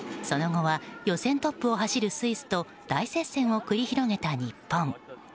その後は予選トップを走るスイスと大接戦を繰り広げた日本。